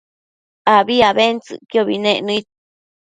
abi abentsëcquiobi nec nëid